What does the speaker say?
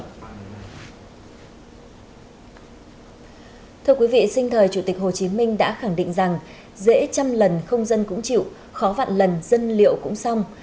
thưa quý vị sinh thời chủ tịch hồ chí minh đã khẳng định rằng dễ trăm lần không dân cũng chịu khó vạn lần dân liệu cũng xong